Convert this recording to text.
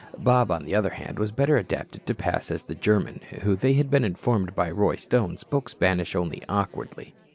Bob, on the other hand, was better adapted to pass as the German who, they had been informed by Roy Stone, spoke Spanish only awkwardly.